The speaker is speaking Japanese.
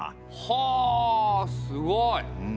はあすごい。